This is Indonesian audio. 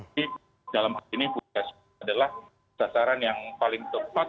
jadi dalam hal ini punca adalah sasaran yang paling tepat